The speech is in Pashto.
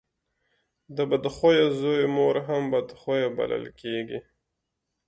د بد خويه زوی مور هم بد خويه بلل کېږي.